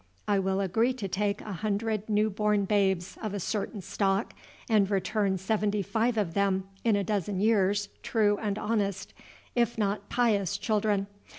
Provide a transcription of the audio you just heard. I will agree to take a hundred new born babes of a certain stock and return seventy five of them in a dozen years true and honest, if not 'pious' children.